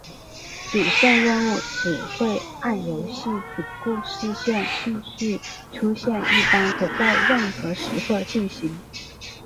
主线任务只会按游戏主故事线顺序出现一般可在任何时刻进行。